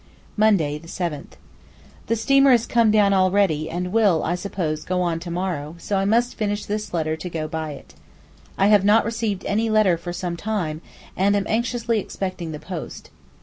Monday, 7_th_.—The steamer is come down already and will, I suppose, go on to morrow, so I must finish this letter to go by it. I have not received any letter for some time, and am anxiously expecting the post.